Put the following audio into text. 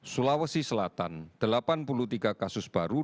sulawesi selatan delapan puluh tiga kasus baru